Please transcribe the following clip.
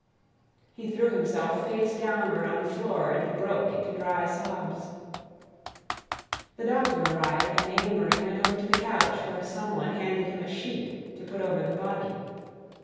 _..." He threw himself face downward on the floor and broke into dry sobs. The doctor had arrived, and Amory went over to the couch, where some one handed him a sheet to put over the body.